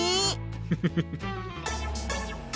フフフ。